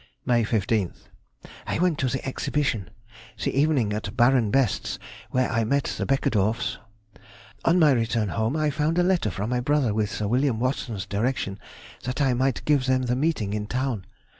May 15th.—I went to the Exhibition; the evening at Baron Best's, where I met the Beckedorffs. On my return home I found a letter from my brother with Sir William Watson's direction that I might give them the meeting in town.